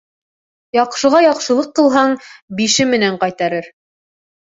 Яҡшыға яҡшылыҡ ҡылһаң, бише менән ҡайтарыр.